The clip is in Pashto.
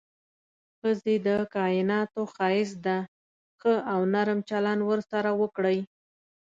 ښځې د کائناتو ښايست ده، ښه او نرم چلند ورسره وکړئ.